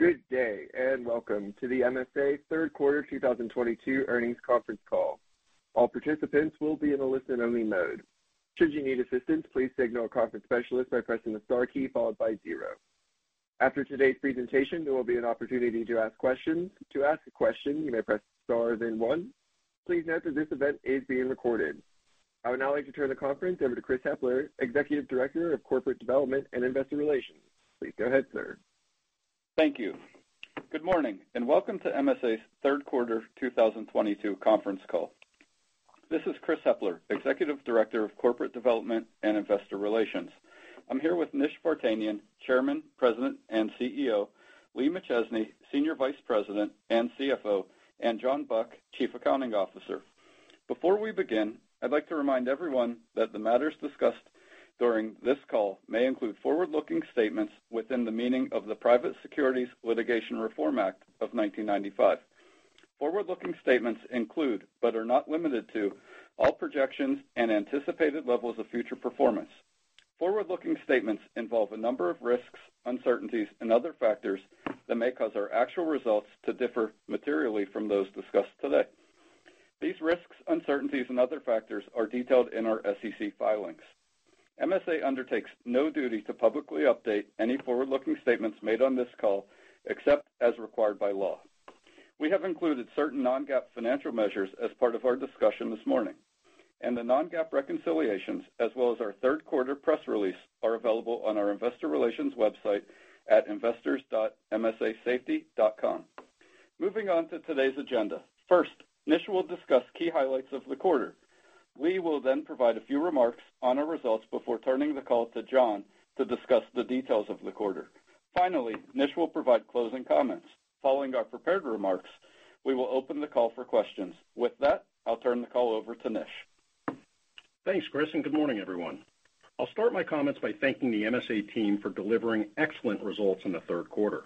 Good day, and welcome to the MSA third quarter 2022 earnings conference call. All participants will be in a listen-only mode. Should you need assistance, please signal a conference specialist by pressing the star key followed by zero. After today's presentation, there will be an opportunity to ask questions. To ask a question, you may press star, then one. Please note that this event is being recorded. I would now like to turn the conference over to Chris Hepler, Executive Director of Corporate Development and Investor Relations. Please go ahead, sir. Thank you. Good morning, and welcome to MSA's third quarter 2022 conference call. This is Chris Hepler, Executive Director of Corporate Development and Investor Relations. I'm here with Nish Vartanian, Chairman, President, and CEO, Lee McChesney, Senior Vice President and CFO, and Jonathan Buck, Chief Accounting Officer. Before we begin, I'd like to remind everyone that the matters discussed during this call may include forward-looking statements within the meaning of the Private Securities Litigation Reform Act of 1995. Forward-looking statements include, but are not limited to, all projections and anticipated levels of future performance. Forward-looking statements involve a number of risks, uncertainties, and other factors that may cause our actual results to differ materially from those discussed today. These risks, uncertainties, and other factors are detailed in our SEC filings. MSA undertakes no duty to publicly update any forward-looking statements made on this call, except as required by law. We have included certain non-GAAP financial measures as part of our discussion this morning, and the non-GAAP reconciliations, as well as our third quarter press release, are available on our investor relations website at investors.msasafety.com. Moving on to today's agenda. First, Nish will discuss key highlights of the quarter. Lee will then provide a few remarks on our results before turning the call to John to discuss the details of the quarter. Finally, Nish will provide closing comments. Following our prepared remarks, we will open the call for questions. With that, I'll turn the call over to Nish. Thanks, Chris, and good morning, everyone. I'll start my comments by thanking the MSA team for delivering excellent results in the third quarter.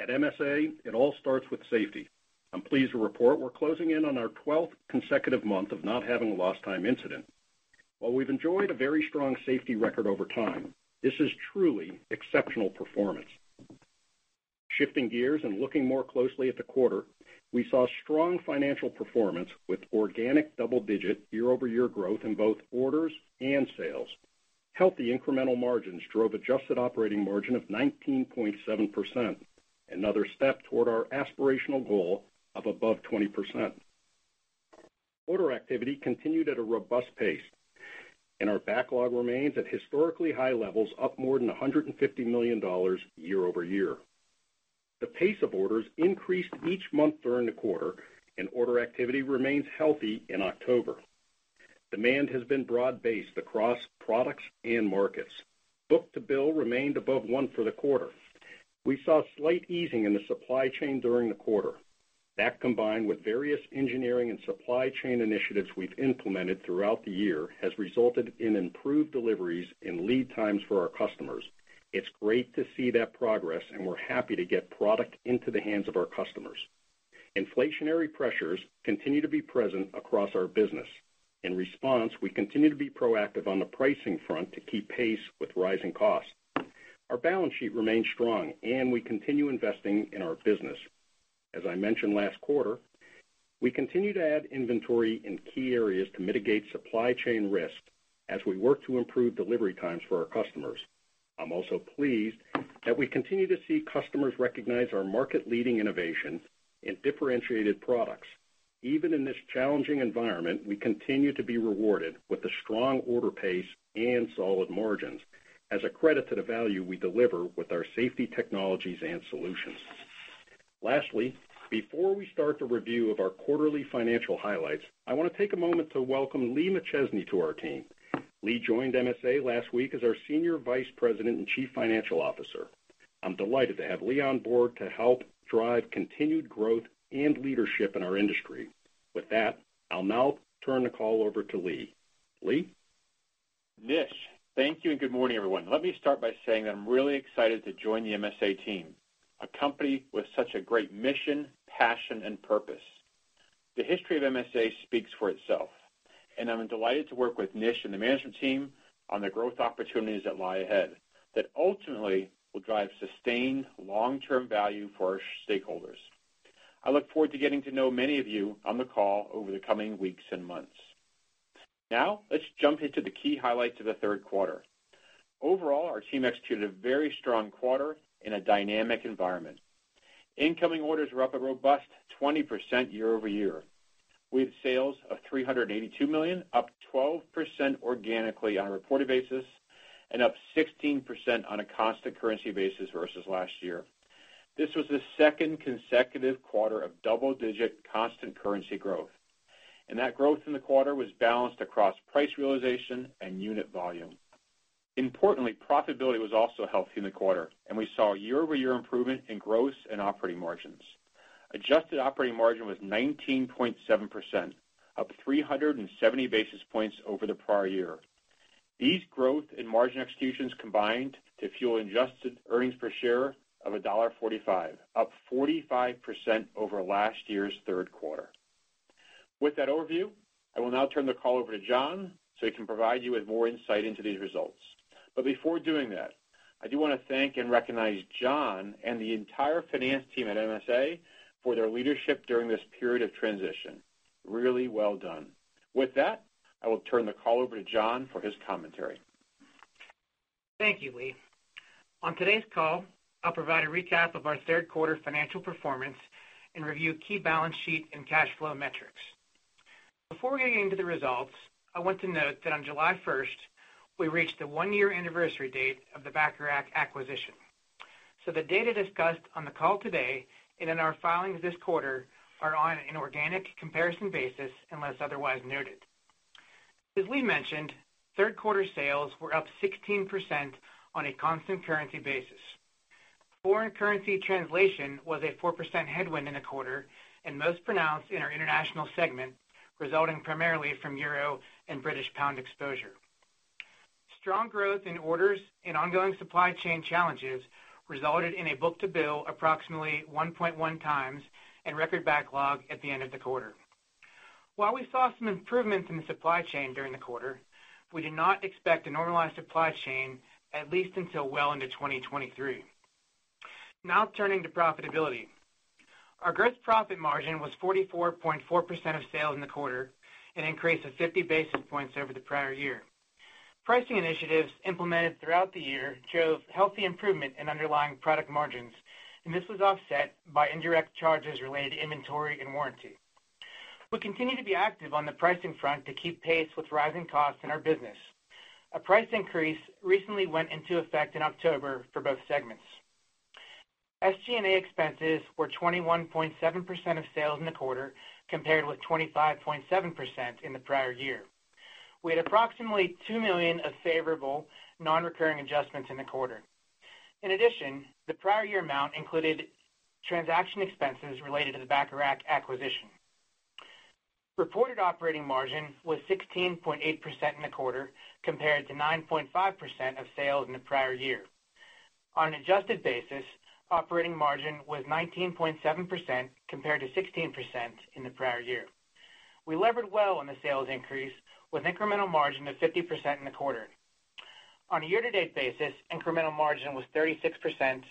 At MSA, it all starts with safety. I'm pleased to report we're closing in on our 12th consecutive month of not having a lost time incident. While we've enjoyed a very strong safety record over time, this is truly exceptional performance. Shifting gears and looking more closely at the quarter, we saw strong financial performance with organic double-digit year-over-year growth in both orders and sales. Healthy incremental margins drove adjusted operating margin of 19.7%, another step toward our aspirational goal of above 20%. Order activity continued at a robust pace and our backlog remains at historically high levels, up more than $150 million year-over-year. The pace of orders increased each month during the quarter and order activity remains healthy in October. Demand has been broad-based across products and markets. Book-to-bill remained above one for the quarter. We saw slight easing in the supply chain during the quarter. That combined with various engineering and supply chain initiatives we've implemented throughout the year has resulted in improved deliveries and lead times for our customers. It's great to see that progress, and we're happy to get product into the hands of our customers. Inflationary pressures continue to be present across our business. In response, we continue to be proactive on the pricing front to keep pace with rising costs. Our balance sheet remains strong, and we continue investing in our business. As I mentioned last quarter, we continue to add inventory in key areas to mitigate supply chain risk as we work to improve delivery times for our customers. I'm also pleased that we continue to see customers recognize our market-leading innovation in differentiated products. Even in this challenging environment, we continue to be rewarded with a strong order pace and solid margins as a credit to the value we deliver with our safety technologies and solutions. Lastly, before we start the review of our quarterly financial highlights, I wanna take a moment to welcome Lee McChesney to our team. Lee joined MSA last week as our Senior Vice President and Chief Financial Officer. I'm delighted to have Lee on board to help drive continued growth and leadership in our industry. With that, I'll now turn the call over to Lee. Lee? Nish, thank you, and good morning, everyone. Let me start by saying that I'm really excited to join the MSA team, a company with such a great mission, passion, and purpose. The history of MSA speaks for itself, and I'm delighted to work with Nish and the management team on the growth opportunities that lie ahead that ultimately will drive sustained long-term value for our stakeholders. I look forward to getting to know many of you on the call over the coming weeks and months. Now, let's jump into the key highlights of the third quarter. Overall, our team executed a very strong quarter in a dynamic environment. Incoming orders were up a robust 20% year-over-year, with sales of $382 million, up 12% organically on a reported basis, and up 16% on a constant currency basis versus last year. This was the second consecutive quarter of double-digit constant currency growth, and that growth in the quarter was balanced across price realization and unit volume. Importantly, profitability was also healthy in the quarter, and we saw year-over-year improvement in gross and operating margins. Adjusted operating margin was 19.7%, up 370 basis points over the prior year. These growth and margin executions combined to fuel adjusted earnings per share of $1.45, up 45% over last year's third quarter. With that overview, I will now turn the call over to John so he can provide you with more insight into these results. Before doing that, I do wanna thank and recognize John and the entire finance team at MSA for their leadership during this period of transition. Really well done. With that, I will turn the call over to John for his commentary. Thank you, Lee. On today's call, I'll provide a recap of our third quarter financial performance and review key balance sheet and cash flow metrics. Before we get into the results, I want to note that on July first, we reached the one-year anniversary date of the Bacharach acquisition. The data discussed on the call today and in our filings this quarter are on an organic comparison basis, unless otherwise noted. As Lee mentioned, third quarter sales were up 16% on a constant currency basis. Foreign currency translation was a 4% headwind in the quarter and most pronounced in our international segment, resulting primarily from euro and British pound exposure. Strong growth in orders and ongoing supply chain challenges resulted in a book-to-bill approximately 1.1 times and record backlog at the end of the quarter. While we saw some improvements in the supply chain during the quarter, we do not expect a normalized supply chain at least until well into 2023. Now turning to profitability. Our gross profit margin was 44.4% of sales in the quarter, an increase of 50 basis points over the prior year. Pricing initiatives implemented throughout the year drove healthy improvement in underlying product margins, and this was offset by indirect charges related to inventory and warranty. We continue to be active on the pricing front to keep pace with rising costs in our business. A price increase recently went into effect in October for both segments. SG&A expenses were 21.7% of sales in the quarter, compared with 25.7% in the prior year. We had approximately $2 million of favorable non-recurring adjustments in the quarter. In addition, the prior year amount included transaction expenses related to the Bacharach acquisition. Reported operating margin was 16.8% in the quarter, compared to 9.5% of sales in the prior year. On an adjusted basis, operating margin was 19.7%, compared to 16% in the prior year. We levered well on the sales increase with incremental margin of 50% in the quarter. On a year-to-date basis, incremental margin was 36%,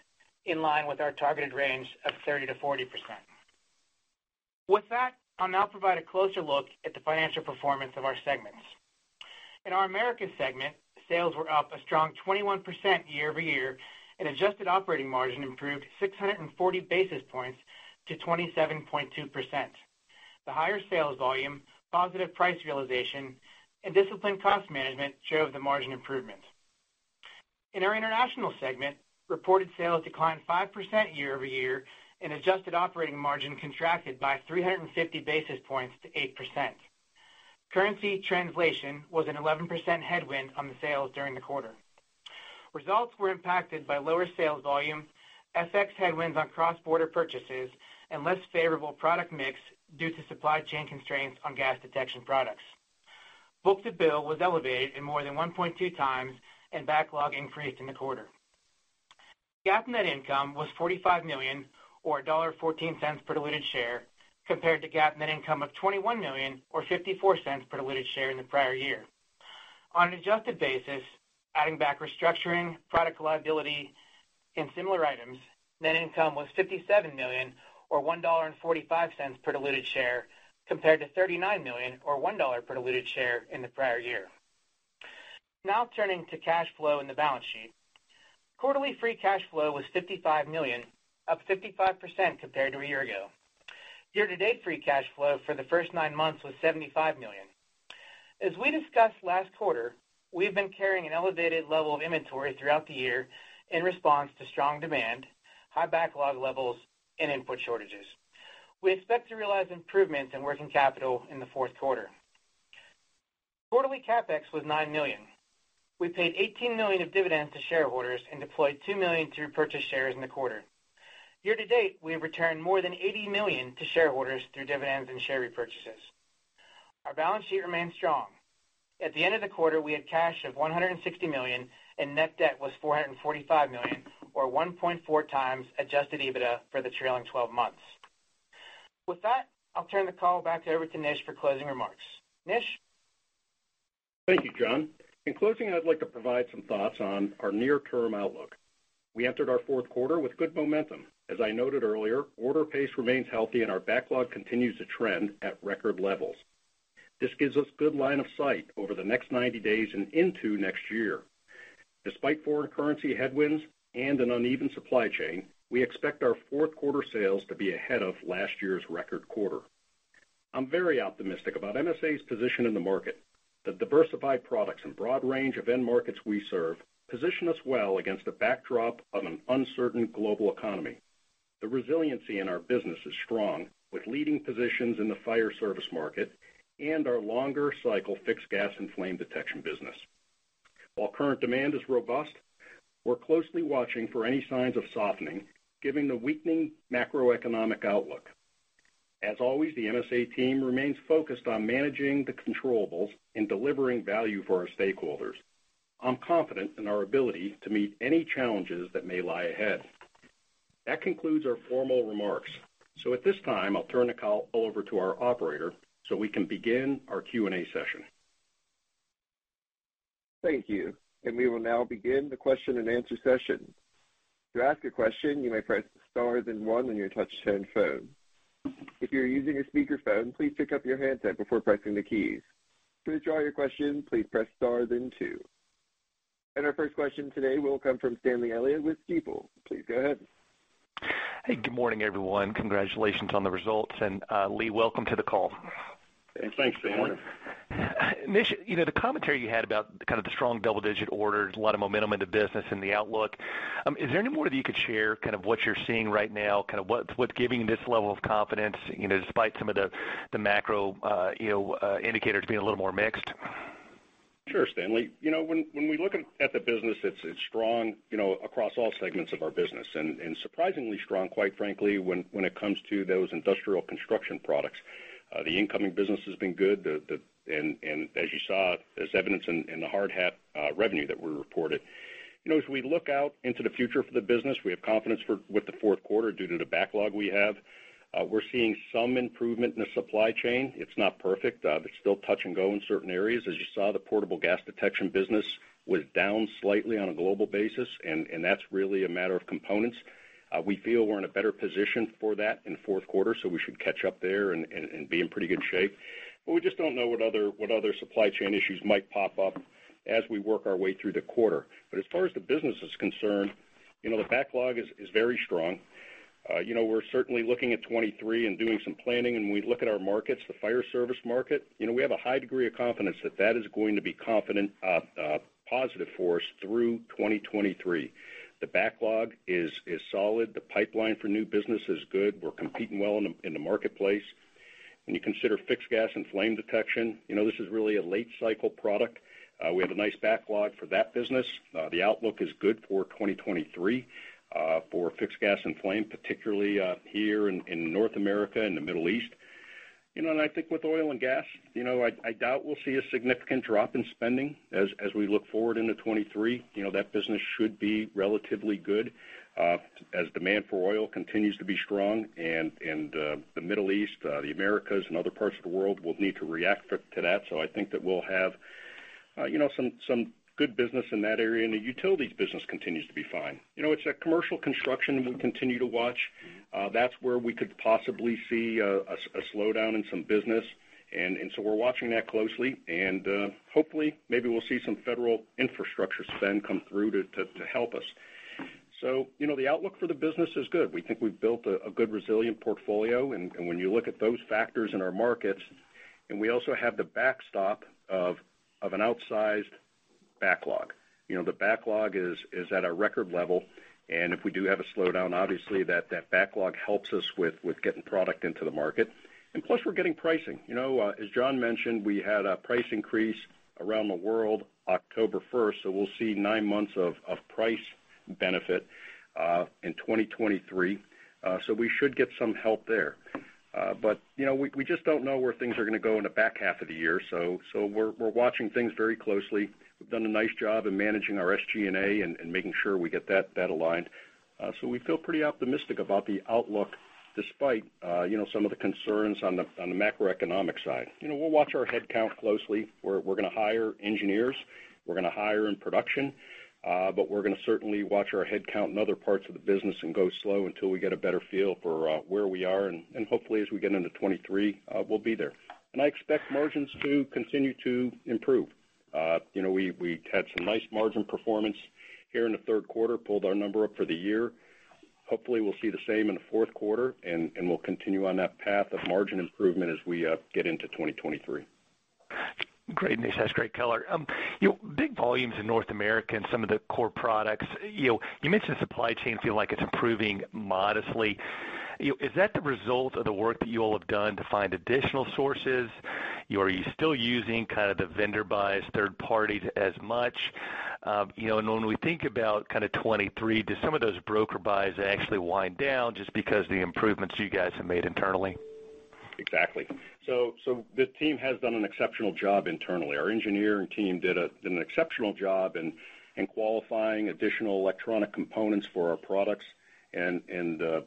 in line with our targeted range of 30%-40%. With that, I'll now provide a closer look at the financial performance of our segments. In our Americas segment, sales were up a strong 21% year-over-year, and adjusted operating margin improved 640 basis points to 27.2%. The higher sales volume, positive price realization, and disciplined cost management drove the margin improvements. In our international segment, reported sales declined 5% year-over-year, and adjusted operating margin contracted by 350 basis points to 8%. Currency translation was an 11% headwind on the sales during the quarter. Results were impacted by lower sales volume, FX headwinds on cross-border purchases, and less favorable product mix due to supply chain constraints on gas detection products. Book-to-bill was elevated in more than 1.2 times, and backlog increased in the quarter. GAAP net income was $45 million or $1.14 per diluted share, compared to GAAP net income of $21 million or $0.54 per diluted share in the prior year. On an adjusted basis, adding back restructuring, product liability, and similar items, net income was $57 million or $1.45 per diluted share, compared to $39 million or $1 per diluted share in the prior year. Now turning to cash flow and the balance sheet. Quarterly free cash flow was $55 million, up 55% compared to a year ago. Year-to-date free cash flow for the first nine months was $75 million. As we discussed last quarter, we've been carrying an elevated level of inventory throughout the year in response to strong demand, high backlog levels, and input shortages. We expect to realize improvements in working capital in the fourth quarter. Quarterly CapEx was $9 million. We paid $18 million of dividends to shareholders and deployed $2 million to repurchase shares in the quarter. Year to date, we have returned more than $80 million to shareholders through dividends and share repurchases. Our balance sheet remains strong. At the end of the quarter, we had cash of $160 million, and net debt was $445 million, or 1.4 times adjusted EBITDA for the trailing 12 months. With that, I'll turn the call back over to Nish for closing remarks. Nish? Thank you, John. In closing, I'd like to provide some thoughts on our near-term outlook. We entered our fourth quarter with good momentum. As I noted earlier, order pace remains healthy and our backlog continues to trend at record levels. This gives us good line of sight over the next 90 days and into next year. Despite foreign currency headwinds and an uneven supply chain, we expect our fourth quarter sales to be ahead of last year's record quarter. I'm very optimistic about MSA's position in the market. The diversified products and broad range of end markets we serve position us well against a backdrop of an uncertain global economy. The resiliency in our business is strong, with leading positions in the fire service market and our longer cycle fixed gas and flame detection business. While current demand is robust, we're closely watching for any signs of softening, given the weakening macroeconomic outlook. As always, the MSA team remains focused on managing the controllables and delivering value for our stakeholders. I'm confident in our ability to meet any challenges that may lie ahead. That concludes our formal remarks. At this time, I'll turn the call over to our operator so we can begin our Q&A session. Thank you. We will now begin the question-and-answer session. To ask a question, you may press star then one on your touch-tone phone. If you're using a speakerphone, please pick up your handset before pressing the keys. To withdraw your question, please press star then two. Our first question today will come from Stanley Elliott with Stifel. Please go ahead. Hey, good morning, everyone. Congratulations on the results. Lee, welcome to the call. Thanks, Stanley. Initially, you know, the commentary you had about kind of the strong double-digit orders, a lot of momentum in the business and the outlook, is there any more that you could share kind of what you're seeing right now, kind of what's giving you this level of confidence, you know, despite some of the macro, you know, indicators being a little more mixed? Sure, Stanley. You know, when we look at the business, it's strong, you know, across all segments of our business, and surprisingly strong, quite frankly, when it comes to those industrial construction products. The incoming business has been good, and as you saw, there's evidence in the hard hat revenue that we reported. You know, as we look out into the future for the business, we have confidence with the fourth quarter due to the backlog we have. We're seeing some improvement in the supply chain. It's not perfect. It's still touch and go in certain areas. As you saw, the portable gas detection business was down slightly on a global basis, and that's really a matter of components. We feel we're in a better position for that in fourth quarter, so we should catch up there and be in pretty good shape. We just don't know what other supply chain issues might pop up as we work our way through the quarter. As far as the business is concerned, you know, the backlog is very strong. You know, we're certainly looking at 2023 and doing some planning. When we look at our markets, the fire service market, you know, we have a high degree of confidence that that is going to be positive for us through 2023. The backlog is solid. The pipeline for new business is good. We're competing well in the marketplace. When you consider fixed gas and flame detection, you know, this is really a late cycle product. We have a nice backlog for that business. The outlook is good for 2023 for fixed gas and flame, particularly here in North America and the Middle East. You know, I think with oil and gas, you know, I doubt we'll see a significant drop in spending as we look forward into 2023. You know, that business should be relatively good as demand for oil continues to be strong. The Middle East, the Americas and other parts of the world will need to react to that. I think that we'll have you know, some good business in that area. The utilities business continues to be fine. You know, it's commercial construction we'll continue to watch. That's where we could possibly see a slowdown in some business. We're watching that closely. Hopefully, maybe we'll see some federal infrastructure spend come through to help us. You know, the outlook for the business is good. We think we've built a good resilient portfolio. When you look at those factors in our markets, we also have the backstop of an outsized backlog. You know, the backlog is at a record level. If we do have a slowdown, obviously that backlog helps us with getting product into the market. Plus, we're getting pricing. You know, as John mentioned, we had a price increase around the world October first, so we'll see nine months of price benefit in 2023. We should get some help there. you know, we just don't know where things are gonna go in the back half of the year. We're watching things very closely. We've done a nice job in managing our SG&A and making sure we get that aligned. We feel pretty optimistic about the outlook despite, you know, some of the concerns on the macroeconomic side. You know, we'll watch our headcount closely. We're gonna hire engineers. We're gonna hire in production. We're gonna certainly watch our headcount in other parts of the business and go slow until we get a better feel for where we are. Hopefully, as we get into 2023, we'll be there. I expect margins to continue to improve. You know, we had some nice margin performance here in the third quarter, pulled our number up for the year. Hopefully, we'll see the same in the fourth quarter, and we'll continue on that path of margin improvement as we get into 2023. Great. This has great color. You know, big volumes in North America and some of the core products. You know, you mentioned supply chain, feel like it's improving modestly. You know, is that the result of the work that you all have done to find additional sources? You know, are you still using kind of the vendor buys, third parties as much? You know, when we think about kind of 2023, do some of those broker buys actually wind down just because of the improvements you guys have made internally? Exactly. The team has done an exceptional job internally. Our engineering team did an exceptional job in qualifying additional electronic components for our products. Now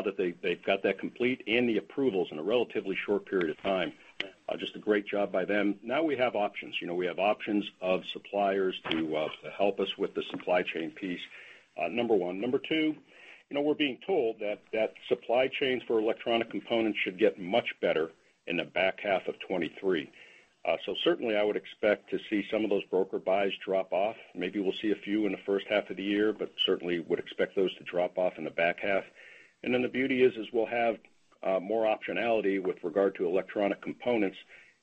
that they've got that complete and the approvals in a relatively short period of time, just a great job by them. Now we have options. You know, we have options of suppliers to help us with the supply chain piece, number one. Number two, you know, we're being told that supply chains for electronic components should get much better in the back half of 2023. Certainly I would expect to see some of those broker buys drop off. Maybe we'll see a few in the H1 of the year, but certainly would expect those to drop off in the back half. The beauty is we'll have more optionality with regard to electronic components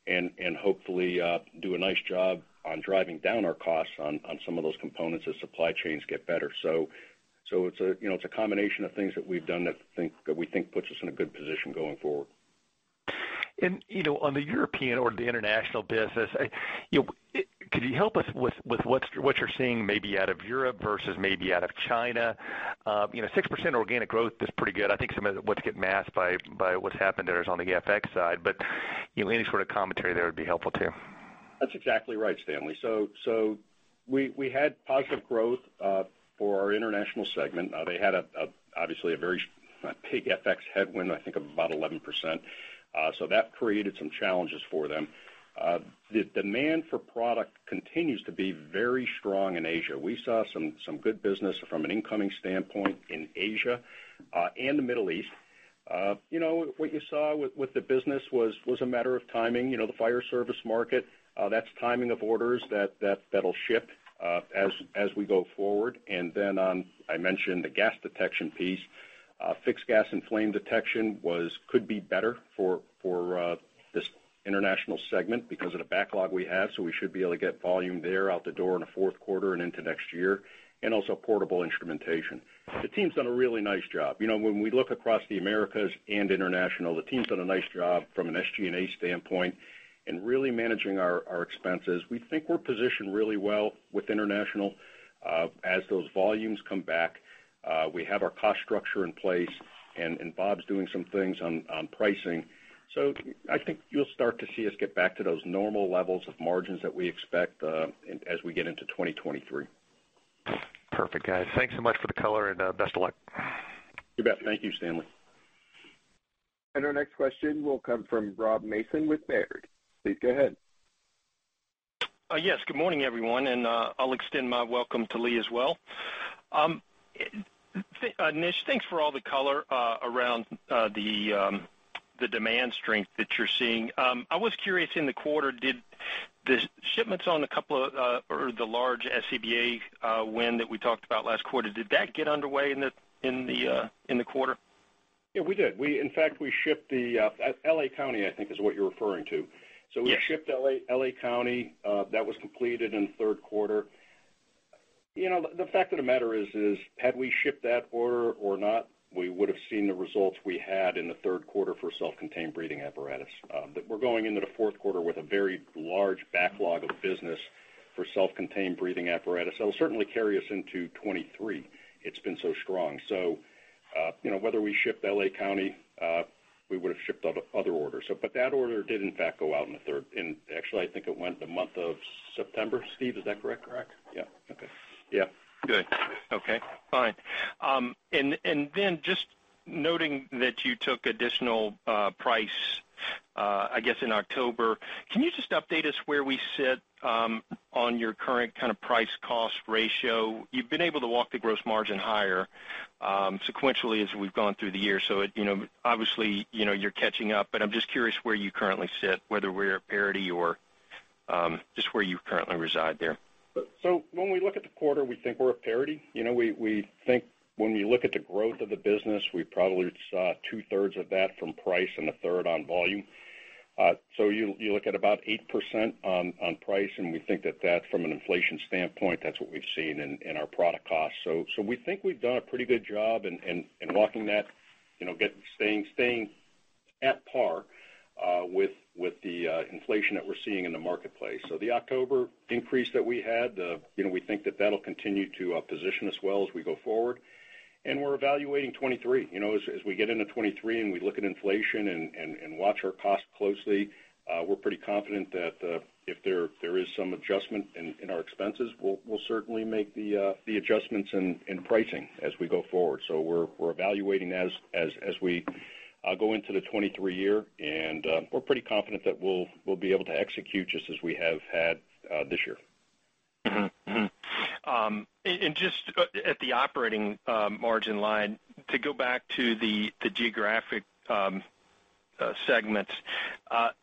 and hopefully do a nice job on driving down our costs on some of those components as supply chains get better. It's a, you know, it's a combination of things that we've done that we think puts us in a good position going forward. You know, on the European or the international business, you know, could you help us with what you're seeing maybe out of Europe versus maybe out of China? You know, 6% organic growth is pretty good. I think some of that's getting masked by what's happened there is on the FX side. You know, any sort of commentary there would be helpful too. That's exactly right, Stanley. So we had positive growth for our international segment. They had obviously a very big FX headwind, I think about 11%. So that created some challenges for them. The demand for product continues to be very strong in Asia. We saw some good business from an incoming standpoint in Asia and the Middle East. You know, what you saw with the business was a matter of timing. You know, the fire service market, that's timing of orders that'll ship as we go forward. I mentioned the gas detection piece. Fixed gas and flame detection could be better for this international segment because of the backlog we have, so we should be able to get volume there out the door in the fourth quarter and into next year, and also portable instrumentation. The team's done a really nice job. You know, when we look across the Americas and international, the team's done a nice job from an SG&A standpoint and really managing our expenses. We think we're positioned really well with international. As those volumes come back, we have our cost structure in place and Bob's doing some things on pricing. I think you'll start to see us get back to those normal levels of margins that we expect as we get into 2023. Perfect, guys. Thanks so much for the color and best of luck. You bet. Thank you, Stanley. Our next question will come from Rob Mason with Baird. Please go ahead. Yes. Good morning, everyone. I'll extend my welcome to Lee as well. Nish, thanks for all the color around the demand strength that you're seeing. I was curious. In the quarter, did the shipments on the large SCBA win that we talked about last quarter get underway in the quarter? Yeah, we did. We in fact shipped the LA County, I think is what you're referring to. Yes. We shipped L.A. County. That was completed in the third quarter. The fact of the matter is, had we shipped that order or not, we would have seen the results we had in the third quarter for self-contained breathing apparatus. We're going into the fourth quarter with a very large backlog of business for self-contained breathing apparatus. That'll certainly carry us into 2023. It's been so strong. Whether we shipped L.A. County, we would have shipped other orders. That order did in fact go out in the third. Actually, I think it went the month of September. Steve, is that correct? Correct. Yeah. Okay. Yeah. Good. Okay, fine. Then just noting that you took additional price, I guess, in October, can you just update us where we sit on your current kind of price cost ratio? You've been able to walk the gross margin higher sequentially as we've gone through the year. You know, obviously, you're catching up, but I'm just curious where you currently sit, whether we're at parity or just where you currently reside there. When we look at the quarter, we think we're at parity. We think when we look at the growth of the business, we probably saw two-thirds of that from price and a third on volume. You look at about 8% on price, and we think that that's from an inflation standpoint, that's what we've seen in our product costs. We think we've done a pretty good job in walking that, you know, staying at par with the inflation that we're seeing in the marketplace. The October increase that we had, you know, we think that that'll continue to position us well as we go forward. We're evaluating 2023. You know, as we get into 2023 and we look at inflation and watch our costs closely, we're pretty confident that if there is some adjustment in our expenses, we'll certainly make the adjustments in pricing as we go forward. We're evaluating as we go into the 2023 year, and we're pretty confident that we'll be able to execute just as we have had this year. Just at the operating margin line, to go back to the geographic segments, I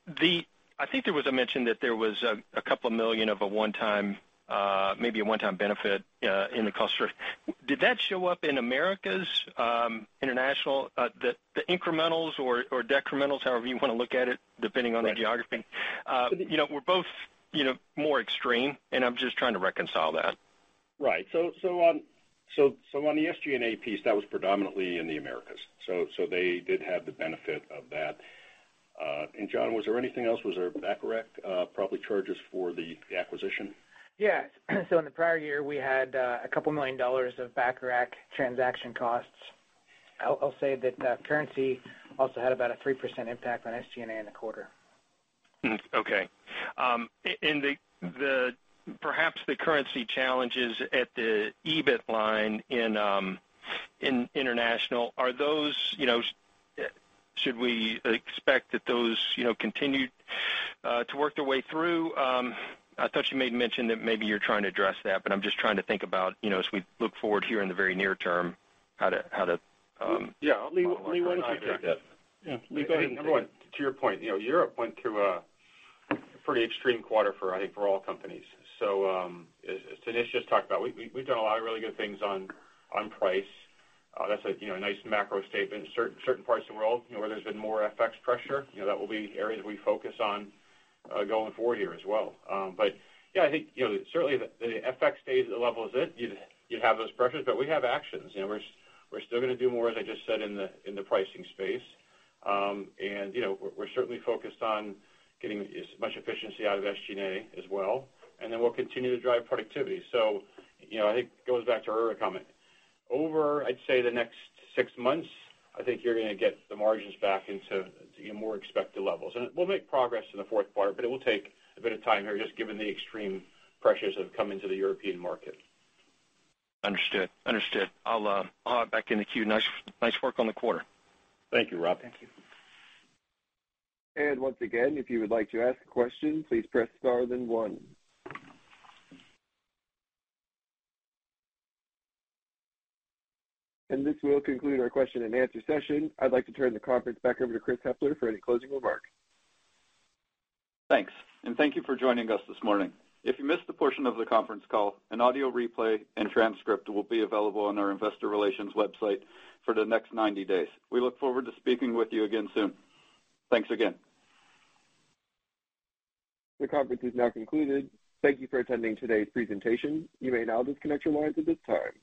think there was a mention that there was a couple million of a one-time benefit in the cost. Did that show up in Americas, international, the incrementals or decrementals, however you wanna look at it, depending on the geography? You know, were both you know, more extreme, and I'm just trying to reconcile that. Right. On the SG&A piece, that was predominantly in the Americas. They did have the benefit of that. John, was there anything else? Was there Bacharach, probably charges for the acquisition? Yes. In the prior year, we had a couple million dollars of Bacharach transaction costs. I'll say that currency also had about a 3% impact on SG&A in the quarter. Okay. Perhaps the currency challenges at the EBIT line in international are those, you know. Should we expect that those, you know, continue to work their way through? I thought you made mention that maybe you're trying to address that, but I'm just trying to think about, you know, as we look forward here in the very near term, how to. Yeah. Lee, why don't you take that? Yeah. Lee, go ahead. To your point, you know, Europe went through a pretty extreme quarter for, I think, for all companies. As Nish just talked about, we've done a lot of really good things on price. That's a, you know, nice macro statement. Certain parts of the world, you know, where there's been more FX pressure, you know, that will be areas we focus on going forward here as well. Yeah, I think, you know, certainly the FX stays at the level as it, you'd have those pressures, but we have actions. You know, we're still gonna do more, as I just said in the pricing space. You know, we're certainly focused on getting as much efficiency out of SG&A as well. Then we'll continue to drive productivity. You know, I think it goes back to earlier comment. Over, I'd say, the next six months, I think you're gonna get the margins back into, you know, more expected levels. We'll make progress in the fourth quarter, but it will take a bit of time here just given the extreme pressures that have come into the European market. Understood. I'll hop back in the queue. Nice work on the quarter. Thank you, Rob. Thank you. Once again, if you would like to ask a question, please press star then one. This will conclude our question and answer session. I'd like to turn the conference back over to Chris Hepler for any closing remarks. Thanks. Thank you for joining us this morning. If you missed a portion of the conference call, an audio replay and transcript will be available on our investor relations website for the next 90 days. We look forward to speaking with you again soon. Thanks again. The conference is now concluded. Thank you for attending today's presentation. You may now disconnect your lines at this time.